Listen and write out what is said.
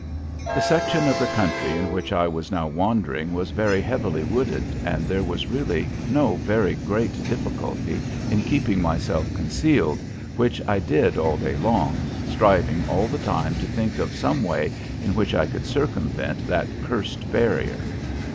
The section of the country in which I was now wandering was very heavily wooded and there was really no very great difficulty in keeping myself concealed, which I did all day long, striving all the time to think of some way in which I could circumvent that cursed barrier.